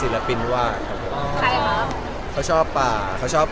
มีของขวัญอะไรอื่นไหมคะเล็ก